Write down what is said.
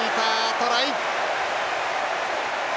トライ！